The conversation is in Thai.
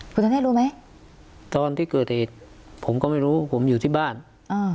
คุณธเนธรู้ไหมตอนที่เกิดเหตุผมก็ไม่รู้ผมอยู่ที่บ้านอ่า